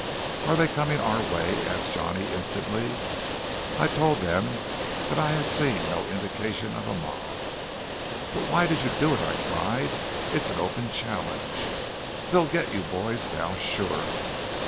"Are they coming our way?" asked Johnny instantly. I told them that I had seen no indications of a mob. "But why did you do it?" I cried. "It's an open challenge! They'll get you boys now sure!"